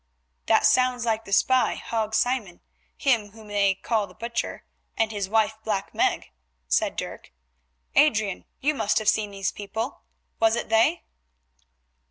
"That sounds like the spy, Hague Simon, him whom they call the Butcher, and his wife, Black Meg," said Dirk. "Adrian, you must have seen these people, was it they?"